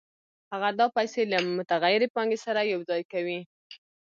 هغه دا پیسې له متغیرې پانګې سره یوځای کوي